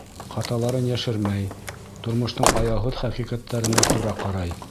Хаталарын йәшермәй, тормоштоң аяуһыҙ хәҡиҡәттәренә тура ҡарай.